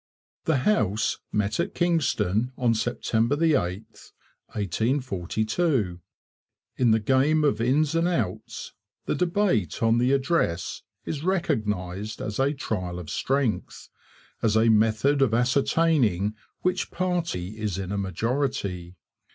The House met at Kingston on September 8, 1842. In the game of Ins and Outs the debate on the Address is recognized as a trial of strength, as a method of ascertaining which party is in a majority.